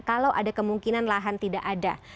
kalau ada kemungkinan lahan tidak ada